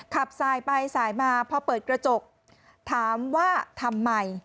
ขับสายไปสายมาพอเปิดกระจกถามว่าทำไม